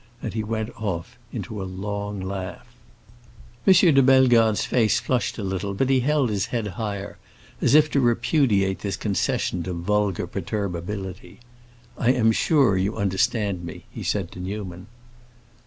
And he went off into a long laugh. M. de Bellegarde's face flushed a little, but he held his head higher, as if to repudiate this concession to vulgar perturbability. "I am sure you understand me," he said to Newman.